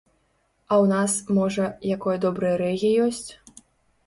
А ў нас, можа, якое добрае рэгі ёсць?